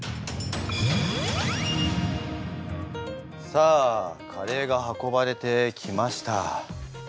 さあカレーが運ばれてきました。